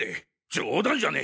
冗談じゃねえ！